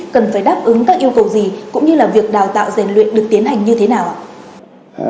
cần phải đáp ứng các yêu cầu gì cũng như là việc đào tạo rèn luyện được tiến hành như thế nào ạ